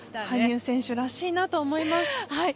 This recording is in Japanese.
羽生選手らしいと思います。